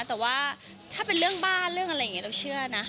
แต่ว่าถ้าเป็นเรื่องบ้านเรื่องอะไรอย่างนี้เราเชื่อนะ